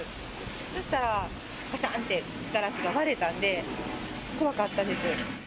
そうしたら、かしゃんってガラスが割れたんで、怖かったです。